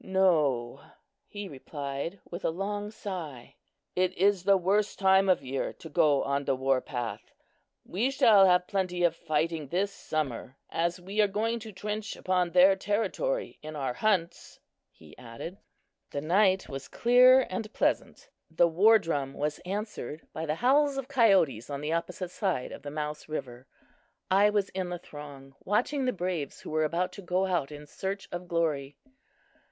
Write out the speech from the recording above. "No," he replied, with a long sigh. "It is the worst time of year to go on the war path. We shall have plenty of fighting this summer, as we are going to trench upon their territory in our hunts," he added. The night was clear and pleasant. The war drum was answered by the howls of coyotes on the opposite side of the Mouse river. I was in the throng, watching the braves who were about to go out in search of glory.